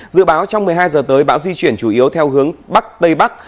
dự báo trong một mươi hai giờ tới bão di chuyển chủ yếu theo hướng bắc tây bắc